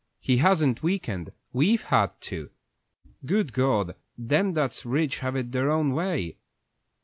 He hasn't weakened; we've had to. Good God, them that's rich have it their own way!"